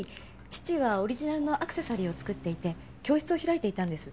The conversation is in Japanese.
父はオリジナルのアクセサリーを作っていて教室を開いていたんです。